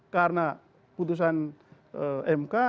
karena putusan mk